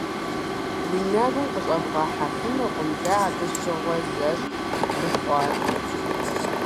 Уи нэгум къыщӀэбгъэхьэфынукъым дэ абы щыгъуэ зэщхь дыхъуар.